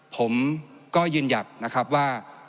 ผมก็ยืนหยัดนะครับว่า